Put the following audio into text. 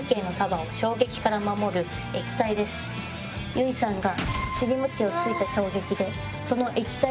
結衣さんが。